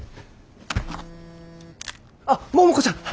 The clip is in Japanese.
あっ桃子ちゃん。